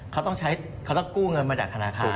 เขาต้องกู้เงินมาจากธนาคาร